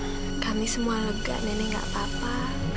karena kami semua lega nenek gak apa apa